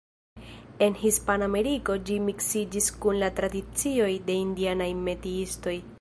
En Hispanameriko, ĝi miksiĝis kun la tradicioj de indianaj metiistoj.